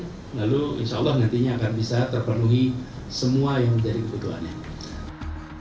lalu insya allah nantinya akan bisa terpenuhi semua yang menjadi kebutuhannya